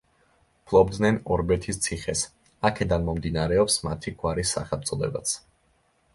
ფლობდნენ ორბეთის ციხეს, აქედან მომდინარეობს მათი გვარის სახელწოდებაც.